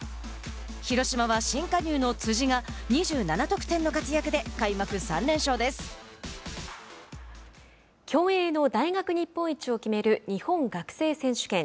広島は、新加入の辻が２７得点の活躍で競泳の大学日本一を決める日本学生選手権。